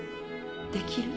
できる？